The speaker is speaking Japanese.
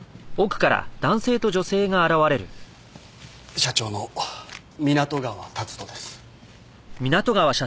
社長の湊川龍登です。